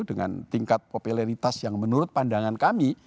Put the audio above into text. dengan tingkat popularitas yang menurut pandangan kami